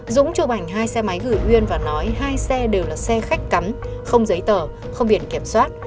dũng chụp ảnh hai xe máy gửi uyên và nói hai xe đều là xe khách cắn không giấy tờ không biển kiểm soát